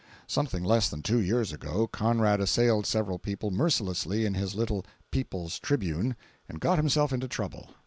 [Something less than two years ago, Conrad assailed several people mercilessly in his little "People's Tribune," and got himself into trouble.